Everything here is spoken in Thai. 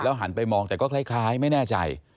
หันไปมองแต่ก็คล้ายไม่แน่ใจ